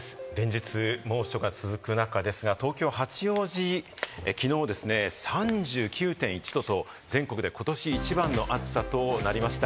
連日、猛暑が続く中ですが八王子きのう３９．１℃と全国でことし一番の暑さとなりました。